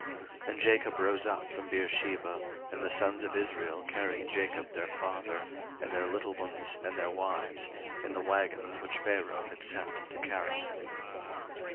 01:046:005 And Jacob rose up from Beersheba: and the sons of Israel carried Jacob their father, and their little ones, and their wives, in the wagons which Pharaoh had sent to carry him.